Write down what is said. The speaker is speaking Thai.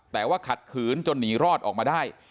แต่ว่าขัดขืนจนหนีรอดออกมาได้